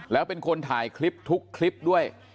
แล้วเป็นคนถ่ายคลิปทุกคลิปด้วย